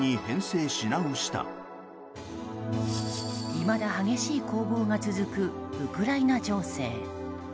いまだ激しい攻防が続くウクライナ情勢。